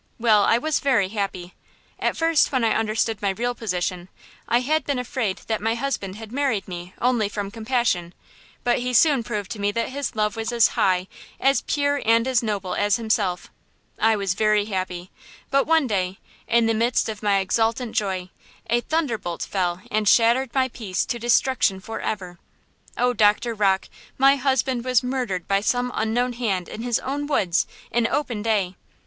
Well, I was very happy. At first when I understood my real position, I had been afraid that my husband had married me only from compassion; but he soon proved to me that his love was as high, as pure and as noble as himself. I was very happy. But one day, in the midst of my exultant joy, a thunderbolt fell and shattered my peace to destruction forever! Oh, Doctor Rocke, my husband was murdered by some unknown hand in his own woods, in open day!